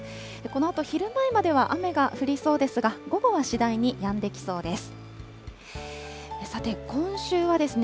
このあと昼前までは雨が降りそうですが、午後は次第にやんできそうです。